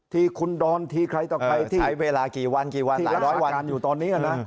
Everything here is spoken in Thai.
ทีคุณดรทีใครต่อใครที่รักษาการอยู่ตอนนี้นะ